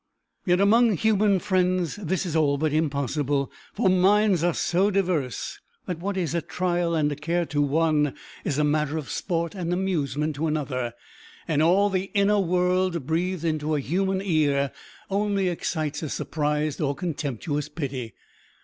Yet among human friends this is all but impossible, for minds are so diverse that what is a trial and a care to one is a matter of sport and amusement to another; and all the inner world breathed into a human ear only excites a surprised or contemptuous pity.